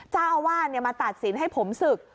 เจ้าอาวาสมาตัดสินให้ผมศึก